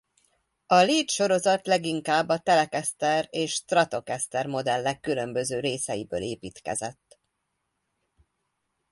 A Lead sorozat leginkább a Telecaster és Stratocaster modellek különböző részeiből építkezett.